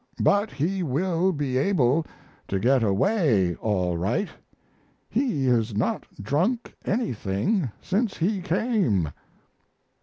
But he will be able to get away all right he has not drunk anything since he came."